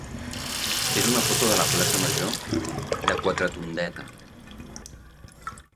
és una foto de la plaça major de Quatretondeta.